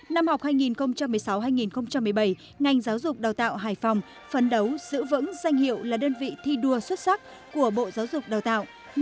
năm học hai nghìn một mươi sáu hai nghìn một mươi bảy ngành giáo dục đào tạo hải phòng phấn đấu giữ vững danh hiệu là đơn vị thi đua xuất sắc của bộ giáo dục đào tạo